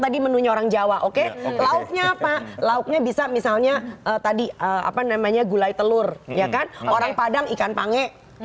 tadi menunya orang jawa oke lauknya apa lauknya bisa misalnya tadi apa namanya gulai telur ya kan orang padang ikan pange